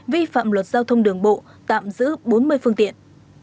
vi phạm luật giao thông đường bộ tạm giữ bốn mươi phương tiện